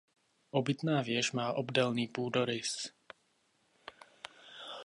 Obytná věž má obdélný půdorys.